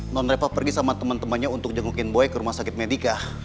nonton reva pergi sama temen temennya untuk jengukin boy ke rumah sakit medika